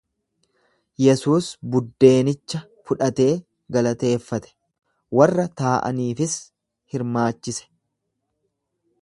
Yesuus buddeenicha fudhatee galateeffate, warra taa’aniifis hirmaachise.